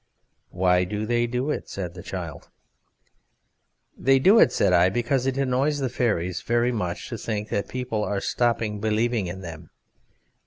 "Why do they do it?" said the child. "They do it," said I, "because it annoys the fairies very much to think that people are stopping believing in them.